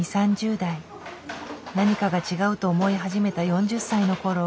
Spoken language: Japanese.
何かが違うと思い始めた４０歳のころ